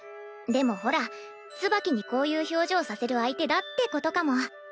でもほらツバキにこういう表情させる相手だってことかも？